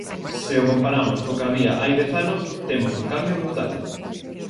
Se o comparamos co que había hai dez anos temos un cambio brutal.